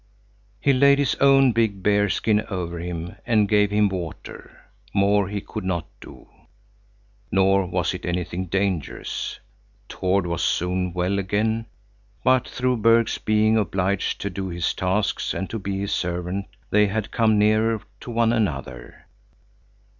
He laid his own big bearskin over him and gave him water, more he could not do. Nor was it anything dangerous. Tord was soon well again. But through Berg's being obliged to do his tasks and to be his servant, they had come nearer to one another.